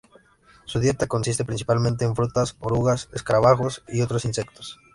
Su dieta consiste principalmente en frutas, orugas, escarabajos y otros insectos.